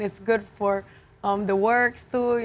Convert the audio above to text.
itu bagus untuk semua orang di sekitar saya